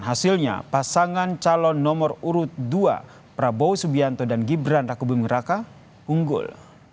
hasilnya pasangan calon nomor urut dua prabowo subianto dan gibran raka buming raka unggul